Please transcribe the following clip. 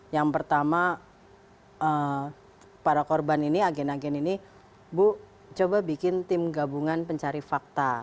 yang pertama para korban ini agen agen ini bu coba bikin tim gabungan pencari fakta